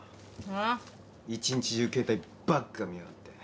あん？一日中携帯ばっか見やがって。